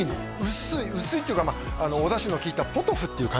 薄い薄いっていうかお出汁の効いたポトフっていう感じ